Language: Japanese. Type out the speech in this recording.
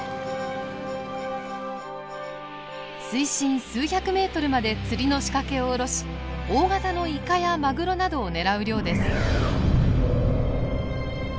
水深数百メートルまで釣りの仕掛けを下ろし大型のイカやマグロなどを狙う漁です。